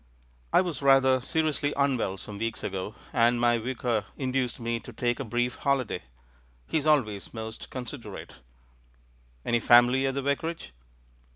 "I was rather seriously unwell some weeks ago, and my Vicar induced me to take a brief holiday. He is always most considerate." "Any family at the vicarage?"